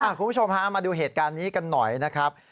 คุณผู้ชมฮะมาดูเหตุการณ์นี้กันหน่อยนะครับ